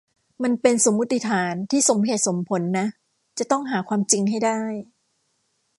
มันเป็นสมมุติฐานที่สมเหตุสมผลนะ จะต้องหาความจริงให้ได้